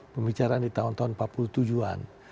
pembicaraan di tahun tahun empat puluh tujuh an